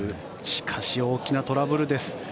しかし、大きなトラブルです。